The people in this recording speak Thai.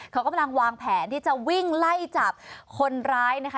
เขากำลังวางแผนที่จะวิ่งไล่จับคนร้ายนะคะ